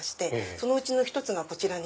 そのうちの１つがこちらに。